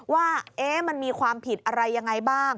ว่ามันมีความผิดอะไรยังไงบ้าง